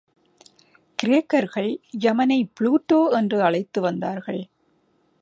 கிரேக்கர்கள் யமனைப் புளுட்டோ என்று அழைத்து வந்தார்கள்.